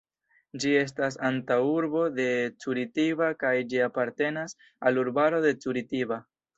Ĝi estas antaŭurbo de Curitiba kaj ĝi apartenas al urbaro de Curitiba.